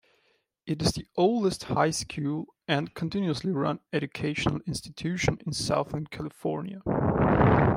It is the oldest high school and continuously run educational institution in Southern California.